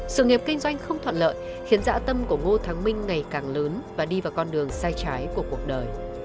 sự nghiệp kinh doanh không thuận lợi khiến dã tâm của ngô thắng minh ngày càng lớn và đi vào con đường sai trái của cuộc đời